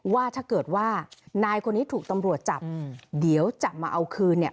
ว่าถ้าเกิดว่านายคนนี้ถูกตำรวจจับเดี๋ยวจะมาเอาคืนเนี่ย